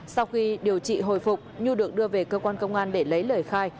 sau khi điều trị hồi phục nhu được đưa về cơ quan công an để lấy lời khai